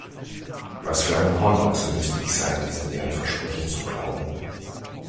Was für ein Hornochse müsste ich sein, diese leeren Versprechen zu glauben!